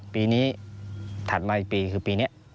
ปีนี้ถัดมาอีกปีคือปีนี้